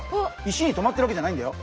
石にとまってるわけじゃないんだよ。